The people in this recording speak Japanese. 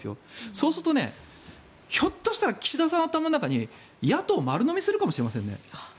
そうすると、ひょっとして岸田さんの頭の中に野党案を丸のみするかもしれませんね。